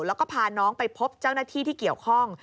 แล้วก็พาน้องไปพบเจ้าหน้าที่ที่เกี่ยวข้อง